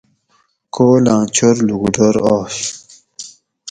کولاں چور لوکوٹور آش